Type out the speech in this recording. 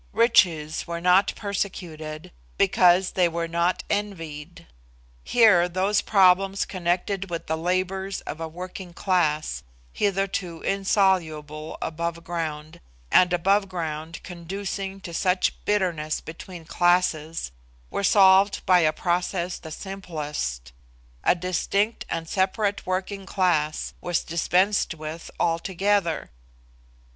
Riches were not persecuted, because they were not envied. Here those problems connected with the labours of a working class, hitherto insoluble above ground, and above ground conducing to such bitterness between classes, were solved by a process the simplest, a distinct and separate working class was dispensed with altogether.